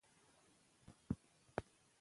چای ورو ورو وڅښه.